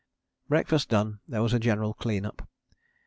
Breakfast done, there was a general clean up.